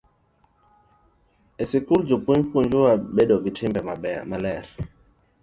E skul, jopuonj puonjowa bedo gi timbe maler.